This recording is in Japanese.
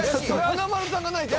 華丸さんがないと。